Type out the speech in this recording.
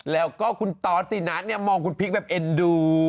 แล้วก็คุณตอสสินะเนี่ยมองคุณพริกแบบเอ็นดู